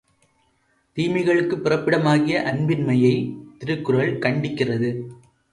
தீமைகளுக்குப் பிறப்பிடமாகிய அன்பின்மையை திருக்குறள் கண்டிக்கிறது.